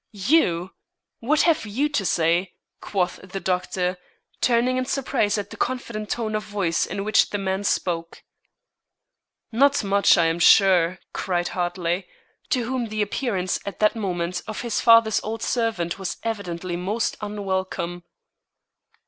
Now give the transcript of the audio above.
"You! What have you to say?" quoth the doctor, turning in surprise at the confident tone of voice in which the man spoke. "Not much, I am sure," cried Hartley, to whom the appearance at that moment of his father's old servant was evidently most unwelcome.